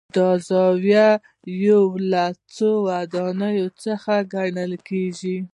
دا زاویه یو له څو ودانیو څخه ګڼل کېږي.